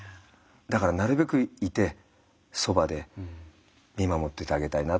だからなるべくいてそばで見守っててあげたいな。